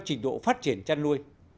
trình độ phát triển chăn nuôi